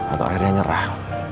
atau akhirnya nyerah